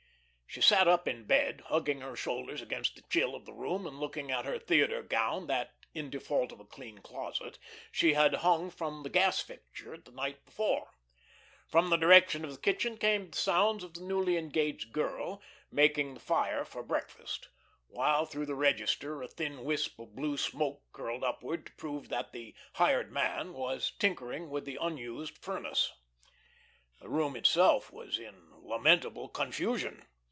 She sat up in bed, hugging her shoulders against the chill of the room and looking at her theatre gown, that in default of a clean closet she had hung from the gas fixture the night before. From the direction of the kitchen came the sounds of the newly engaged "girl" making the fire for breakfast, while through the register a thin wisp of blue smoke curled upward to prove that the "hired man" was tinkering with the unused furnace. The room itself was in lamentable confusion.